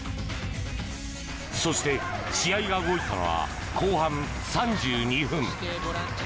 そして、試合が動いたのは後半３２分。